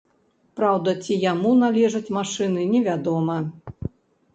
Праўда, ці яму належаць машыны невядома.